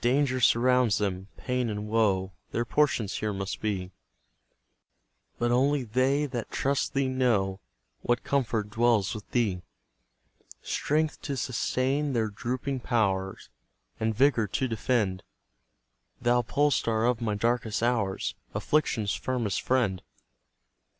Danger surrounds them, pain and woe Their portion here must be, But only they that trust thee know What comfort dwells with thee; Strength to sustain their drooping pow'rs, And vigour to defend, Thou pole star of my darkest hours Affliction's firmest friend!